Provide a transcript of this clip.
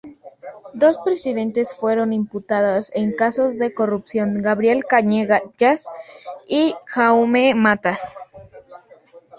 Dos presidentes fueron imputados en casos de corrupción; Gabriel Cañellas y Jaume Matas.